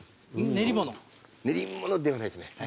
練り物ではないですね。